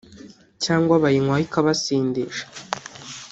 cyangwa bayinywaho ikabasindisha